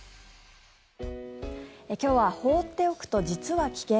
今日は放っておくと実は危険？